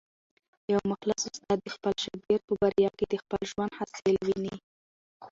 یو مخلص استاد د خپل شاګرد په بریا کي د خپل ژوند حاصل ویني.